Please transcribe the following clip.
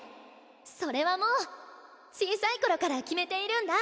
それはもう小さい頃から決めているんだ！